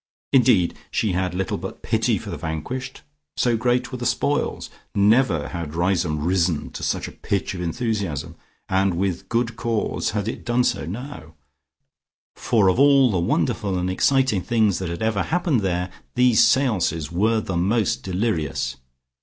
Indeed she had little but pity for the vanquished, so great were the spoils. Never had Riseholme risen to such a pitch of enthusiasm, and with good cause had it done so now, for of all the wonderful and exciting things that had ever happened there, these seances were the most delirious.